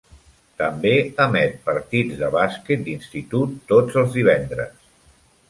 També emet partits de bàsquet d'institut tots els divendres.